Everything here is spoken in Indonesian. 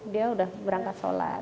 dia sudah berangkat sholat